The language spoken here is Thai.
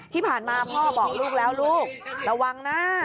ที่ผ่านมาพ่อบอกลูกแล้วลูกระวังนะ